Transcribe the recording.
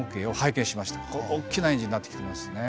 大きなエンジンになってきてますね。